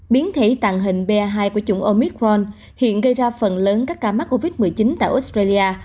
biến thể tàng hình ba hai của chủng omicron hiện gây ra phần lớn các ca mắc covid một mươi chín tại australia